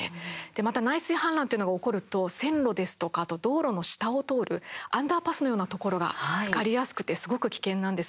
また内水氾濫というのが起こると線路ですとか、道路の下を通るアンダーパスのようなところがつかりやすくてすごく危険なんです。